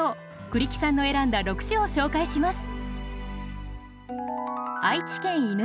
栗木さんの選んだ６首を紹介します。